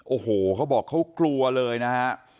โอ้โหเขาบอกเขากลัวเลยนะฮะ